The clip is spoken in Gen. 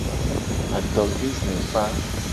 Adovizekpa.